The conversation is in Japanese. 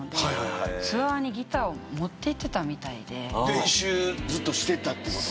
練習ずっとしてたってこと？